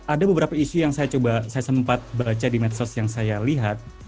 ada beberapa isu yang saya coba saya sempat baca di medsos yang saya lihat